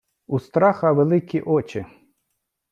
Устраха великі очи.